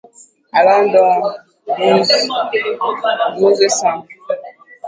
Allons donc, douze cents!